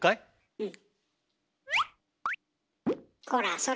うん。